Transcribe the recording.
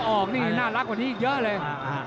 ออกนี่น่ารักกว่านี้อีกเยอะเลย